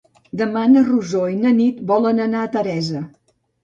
Demà na Rosó i na Nit volen anar a Teresa.